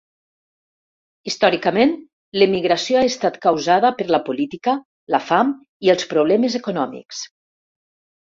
Històricament, l'emigració ha estat causada per la política, la fam i els problemes econòmics.